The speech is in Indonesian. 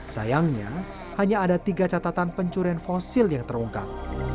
sayangnya hanya ada tiga catatan pencurian fosil yang terungkap